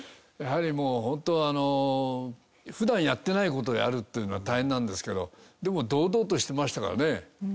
やはりもう本当あの普段やってない事をやるっていうのは大変なんですけどでも堂々としてましたからね。